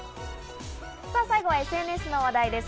最後はＳＮＳの話題です。